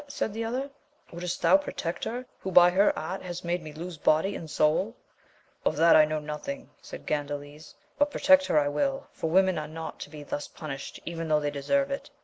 said the other, wouldst thou protect her, who by her art has made me lose body and soul ? Of that know I nothing, said Gandales, but protect her I will, for women are not to be thus punished, even though they deserve it.